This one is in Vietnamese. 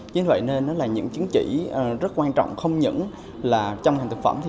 chính vậy nên là những chứng chỉ rất quan trọng không những là trong hàng thực phẩm